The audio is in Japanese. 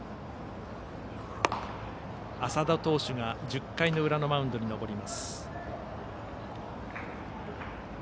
麻田投手が１０回の裏のマウンドに登ります。